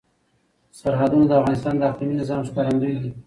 سرحدونه د افغانستان د اقلیمي نظام ښکارندوی ده.